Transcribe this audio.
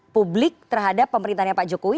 publik terhadap pemerintahnya pak jokowi